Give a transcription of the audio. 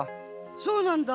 そうなんだ。